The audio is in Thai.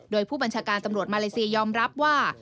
โดยผู้บัญชาการตำรวจมาเลเซียยอมรับว่า